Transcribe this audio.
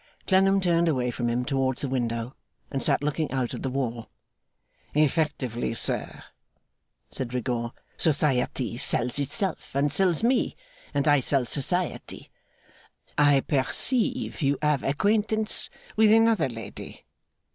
Clennam turned away from him towards the window, and sat looking out at the wall. 'Effectively, sir,' said Rigaud, 'Society sells itself and sells me: and I sell Society. I perceive you have acquaintance with another lady.